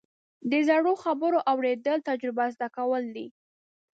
د زړو خبرو اورېدل، تجربه زده کول دي.